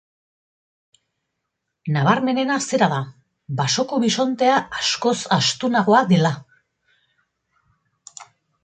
Nabarmenena zera da, basoko bisontea askoz astunagoa dela.